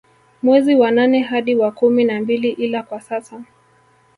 Mwezi wa nane hadi wa kumi na mbili ila kwa sasa